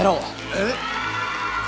えっ？